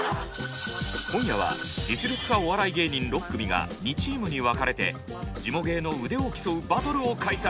今夜は実力派お笑い芸人６組が２チームに分かれてジモ芸の腕を競うバトルを開催。